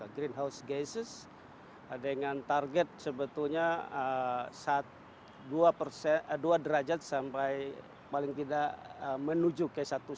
greenhouse gases dengan target sebetulnya dua derajat sampai paling tidak menuju ke satu lima derajat celsius